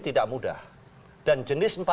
kegagalan konstruksi tidak mudah